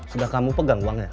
sudah kamu pegang uangnya